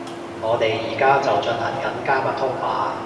我哋而家就進行緊加密通話